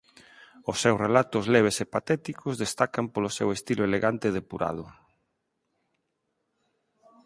Os seus relatos leves e patéticos destacan polo seu estilo elegante e depurado.